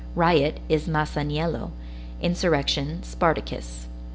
Riot is Masaniello; insurrection, Spartacus.